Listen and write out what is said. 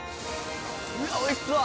「うわっおいしそう！」